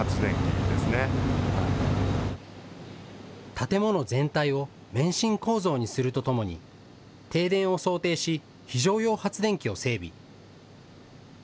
建物全体を免震構造にするとともに停電を想定し非常用発電機を整備。